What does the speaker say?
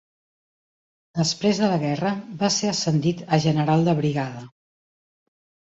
Després de la guerra, va ser ascendit a general de brigada.